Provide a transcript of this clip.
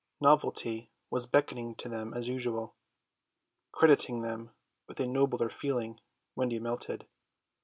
Novelty was beckoning to them as usual. Crediting them with a nobler feeling Wendy melted.